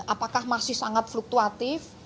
apakah masih sangat fluktuatif